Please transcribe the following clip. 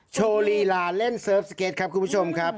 โชว์ลีลาเล่นเซิร์ฟสเก็ตครับคุณผู้ชมครับ